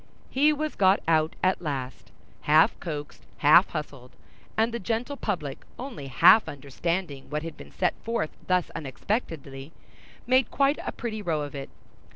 He was got out at last, half coaxed, half hustled; and the gentle public only half understanding what had been set forth thus unexpectedly, made quite a pretty row of it.